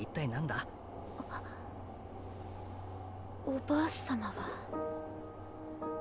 おばあ様は。